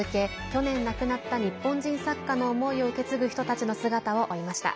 去年、亡くなった日本人作家の思いを受け継ぐ人たちの姿を追いました。